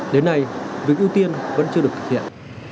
đến nay việc ưu tiên vẫn chưa được thực hiện